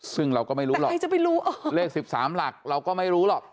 ซึ่งเราก็ไม่รู้หรอกใครจะไปรู้เลข๑๓หลักเราก็ไม่รู้หรอก